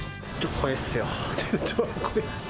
怖いっすよ。